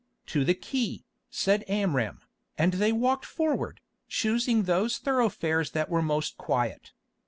"To the quay," said Amram, and they walked forward, choosing those thoroughfares that were most quiet.